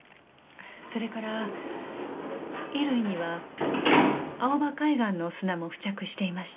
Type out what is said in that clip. それから衣類には青羽海岸の砂も付着していました。